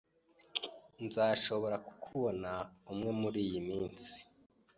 Nzashobora kukubona umwe muriyi minsi.